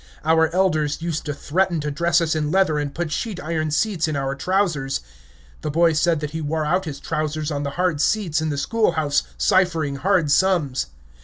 Our elders used to threaten to dress us in leather and put sheet iron seats in our trousers. The boy said that he wore out his trousers on the hard seats in the schoolhouse ciphering hard sums.